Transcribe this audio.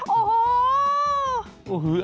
โอ้โห